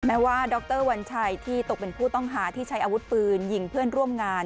แม้ว่าดรวัญชัยที่ตกเป็นผู้ต้องหาที่ใช้อาวุธปืนยิงเพื่อนร่วมงาน